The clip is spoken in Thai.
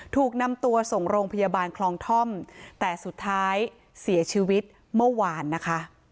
ถูกนำตัวส่งโรงพยาบาลคลองท่อมแต่สุดท้ายเสียชีวิตเมื่อวานนะคะ